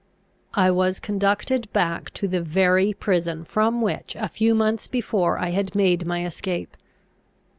I was conducted back to the very prison from which a few months before I had made my escape.